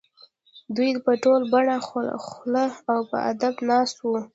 دوی به ټول پټه خوله او په ادب ناست وو.